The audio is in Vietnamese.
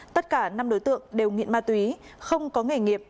tất cả năm đối tượng đều nghiện ma túy không có nghề nghiệp